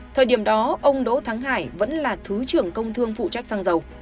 thời điểm đó ông đỗ thắng hải vẫn là thứ trưởng công thương phụ trách sang dầu